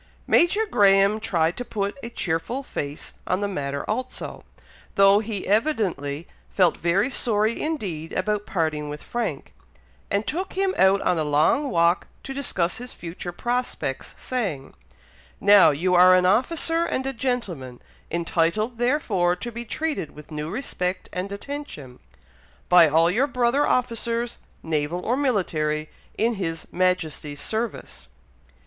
Major Graham tried to put a cheerful face on the matter also, though he evidently felt very sorry indeed about parting with Frank, and took him out a long walk to discuss his future prospects, saying, "Now you are an officer and a gentleman, entitled therefore to be treated with new respect and attention, by all your brother officers, naval or military, in his Majesty's service."